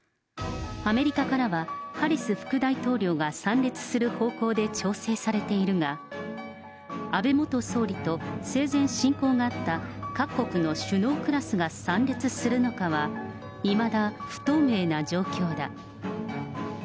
アメリカからはハリス副大統領が参列する方向で調整されているが、安倍元総理と生前親交があった各国の首脳クラスが参列するのかは、いまだ不透明な状況だ。